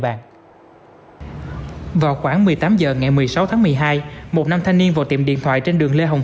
vàng vào khoảng một mươi tám h ngày một mươi sáu tháng một mươi hai một nam thanh niên vào tiệm điện thoại trên đường lê hồng